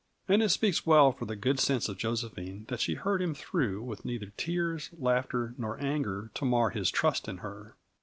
And it speaks well for the good sense of Josephine that she heard him through with neither tears, laughter, nor anger to mar his trust in her.